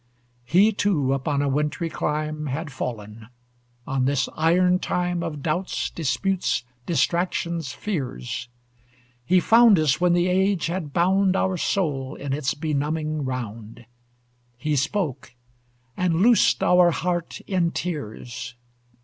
He too upon a wintry clime Had fallen on this iron time Of doubts, disputes, distractions, fears. He found us when the age had bound Our souls in its benumbing round; He spoke, and loosed our heart in tears.